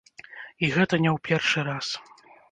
І гэта не ў першы раз.